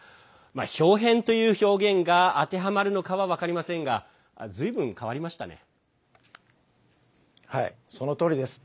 ひょう変という表現が当てはまるのかは分かりませんがはい、そのとおりです。